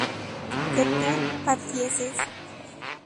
que tú partieses